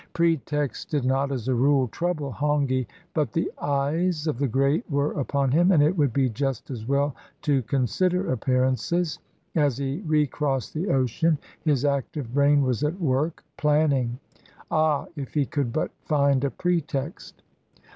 Pretexts did not, as a rule, trouble Hongi; but the eyes of the great were upon him, and it would be just as well to consider appearances. As he recrossed the ocean, his active brain was at work, planning. Ah, if he could but find a pretext!